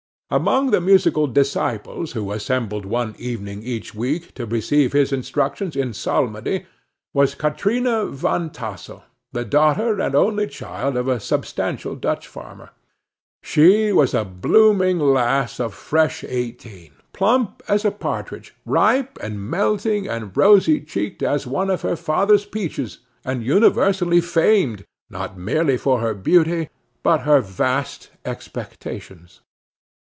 Among the musical disciples who assembled, one evening in each week, to receive his instructions in psalmody, was Katrina Van Tassel, the daughter and only child of a substantial Dutch farmer. She was a blooming lass of fresh eighteen; plump as a partridge; ripe and melting and rosy cheeked as one of her father's peaches, and universally famed, not merely for her beauty, but her vast expectations.